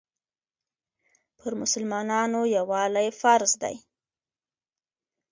پر مسلمانانو یووالی فرض دی.